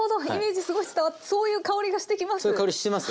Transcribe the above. そういう香りがしてきます。